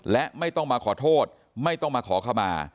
และไม่ต้องมาขอโทษไม่ต้องมาขอขมา